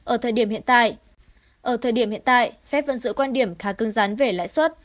ở thời điểm hiện tại phép vẫn giữ quan điểm khá cưng rán về lãi suất